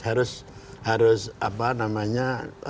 harus apa namanya